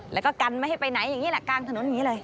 แล้วก็กันไม่ให้ไปไหนอย่างนี้แหละกลางถนนอย่างนี้เลย